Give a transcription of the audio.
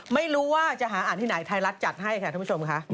ไม่รู้ว่าจะหาอ่านที่ไหนไทยรัฐจัดให้ค่ะท่านผู้ชมค่ะ